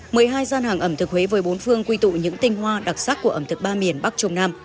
một mươi hai gian hàng ẩm thực huế với bốn phương quy tụ những tinh hoa đặc sắc của ẩm thực ba miền bắc trung nam